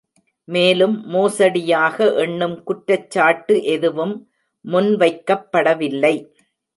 மேலும், மோசடியாக எண்ணும் குற்றச்சாட்டு எதுவும் முன்வைக்கப்படவில்லை.